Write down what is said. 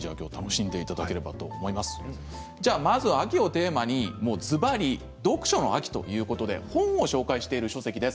まずは秋をテーマにずばり読書の秋ということで本をご紹介している書籍です。